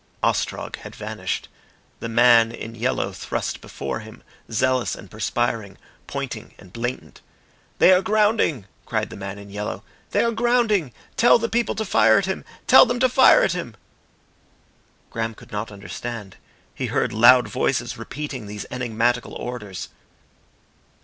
Ostrog had vanished. The man in yellow thrust before him, zealous and perspiring, pointing and blatant. "They are grounding!" cried the man in yellow. "They are grounding. Tell the people to fire at him. Tell them to fire at him!" Graham could not understand. He heard loud voices repeating these enigmatical orders.